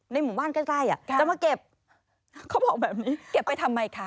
หมู่บ้านใกล้ใกล้จะมาเก็บเขาบอกแบบนี้เก็บไปทำไมคะ